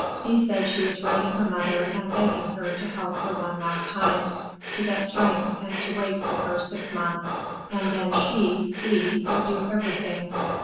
Thea said she was writing her mother and begging her to help her one last time; to get strength and to wait for her six months, and then she (Thea) would do everything.